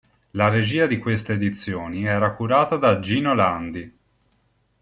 La regia di queste edizioni era curata da Gino Landi.